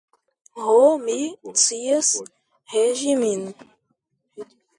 Ho, mi scias regi min.